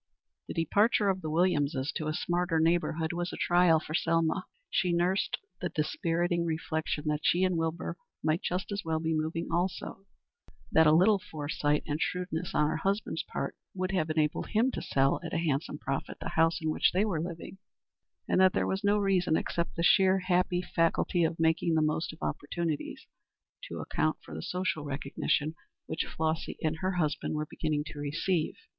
The departure of the Williamses to a smarter neighborhood was a trial for Selma. She nursed the dispiriting reflection that she and Wilbur might just as well be moving also; that a little foresight and shrewdness on her husband's part would have enabled him to sell at a handsome profit the house in which they were living; and that there was no reason, except the sheer, happy faculty of making the most of opportunities, to account for the social recognition which Flossy and her husband were beginning to receive.